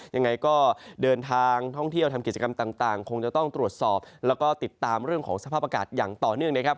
ยังไงก็เดินทางท่องเที่ยวทำกิจกรรมต่างคงจะต้องตรวจสอบแล้วก็ติดตามเรื่องของสภาพอากาศอย่างต่อเนื่องนะครับ